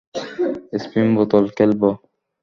Spin বোতল খেলবো।